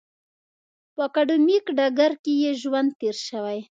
په اکاډمیک ډګر کې یې ژوند تېر شوی.